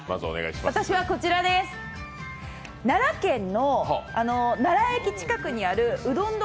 奈良県の奈良駅近くにあるうどん処